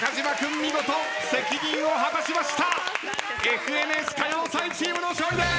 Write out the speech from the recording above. ＦＮＳ歌謡祭チームの勝利です。